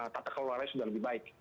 tata kelolanya sudah lebih baik